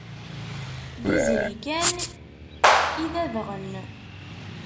D izri kan i d adɣen.